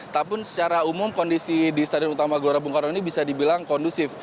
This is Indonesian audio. tapi secara umum kondisi di stadion utama gelora bung karno ini bisa dibilang kondusif